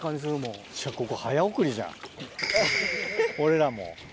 俺らも。